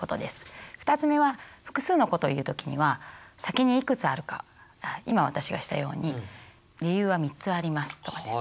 ２つ目は複数のことを言う時には先にいくつあるか今私がしたように「理由は３つあります」とかですね。